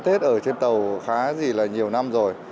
tết ở trên tàu khá gì là nhiều năm rồi